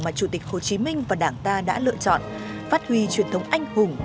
mà chủ tịch hồ chí minh và đảng ta đã lựa chọn phát huy truyền thống anh hùng